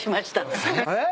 えっ？